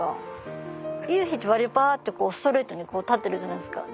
ゆうひって割とパっとストレートに立ってるじゃないですか。